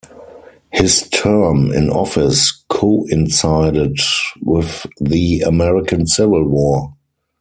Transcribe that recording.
His term in office coincided with the American Civil War.